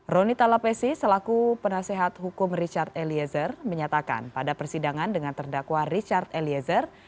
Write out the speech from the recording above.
roni talapesi selaku penasehat hukum richard eliezer menyatakan pada persidangan dengan terdakwa richard eliezer